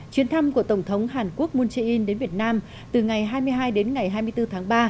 chuyến thăm của tổng thống hàn quốc moon jae in đến việt nam từ ngày hai mươi hai đến ngày hai mươi bốn tháng ba